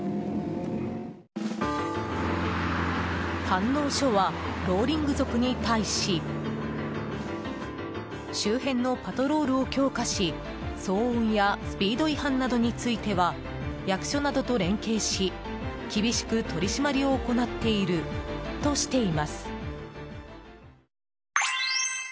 飯能署はローリング族に対し周辺のパトロールを強化し騒音やスピード違反などについては役所などと連携し厳しく取り締まりを行っているとしています。